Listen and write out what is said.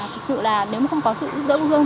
thực sự là nếu không có sự giúp đỡ của thu phương